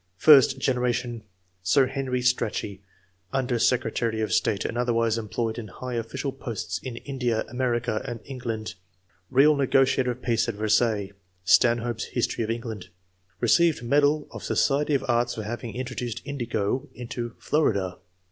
First generation. — Sir Henry Strachey, under secretary of state, and otherwise employed in high official posts in India, America, and England ; real negotiator of Peace of Versailles (Stanhope^s " History of England "); received medal of Society of Arts for having introduced indigo into Florida.